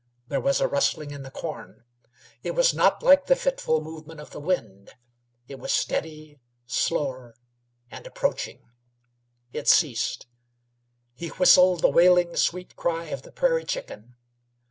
There was a rustling in the corn. It was not like the fitful movement of the wind; it was steady, slower, and approaching. It ceased. He whistled the wailing, sweet cry of the prairie chicken.